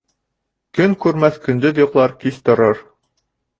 Көн күрмәҫ көндөҙ йоҡлар, кис торор.